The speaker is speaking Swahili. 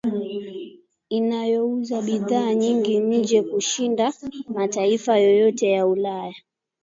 Inayouza bidhaa nyingi nje kushinda mataifa yote ya Ulaya